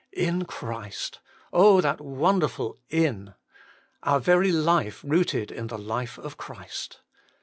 ' In Christ !' oh, that wonderful in ! our very life rooted in the life of Christ.